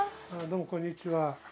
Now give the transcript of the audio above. どうもこんにちは。